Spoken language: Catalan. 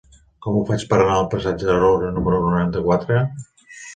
Com ho faig per anar al passatge de Roura número noranta-quatre?